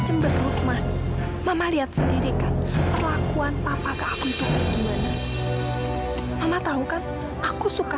sampai jumpa di video selanjutnya